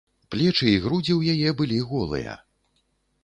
Плечы і грудзі ў яе былі голыя.